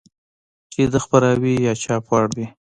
چې د خپراوي يا چاپ وړ وي.